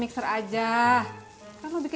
tidak ada yang bisa